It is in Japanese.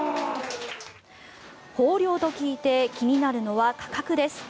豊漁と聞いて気になるのは価格です。